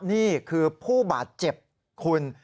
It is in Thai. นี่คือผู้บาดเจ็บคุณ